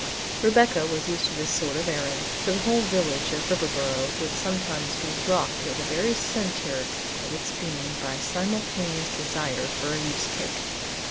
III Rebecca was used to this sort of errand, for the whole village of Riverboro would sometimes be rocked to the very centre of its being by simultaneous desire for a yeast cake.